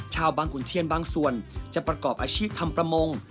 ชาวบางขุนเทียนบางส่วนจะประกอบอาชีพทำประมง